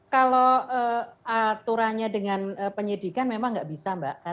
kalau aturannya dengan penyidikan memang nggak bisa mbak